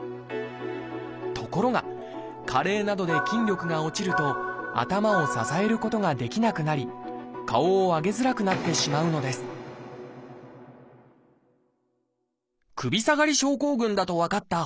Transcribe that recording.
ところが加齢などで筋力が落ちると頭を支えることができなくなり顔を上げづらくなってしまうのです首下がり症候群だと分かった本多さん。